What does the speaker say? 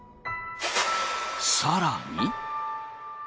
更に。